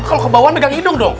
kalo kebawan pegang hidung dong